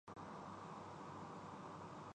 آج تکثیریت کا دور ہے۔